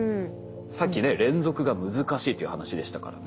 さっきね連続が難しいっていう話でしたからね。